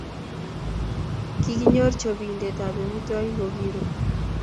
Kikinyoru chopinte ab amitwokik kokiru